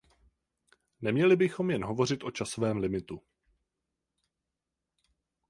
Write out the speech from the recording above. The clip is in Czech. Neměli bychom jen hovořit o časovém limitu.